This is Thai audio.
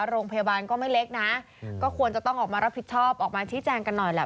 โรงพยาบาลก็ไม่เล็กนะก็ควรจะต้องออกมารับผิดชอบออกมาชี้แจงกันหน่อยแหละ